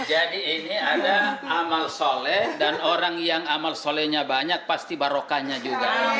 jadi ini ada amal soleh dan orang yang amal solehnya banyak pasti barokahnya juga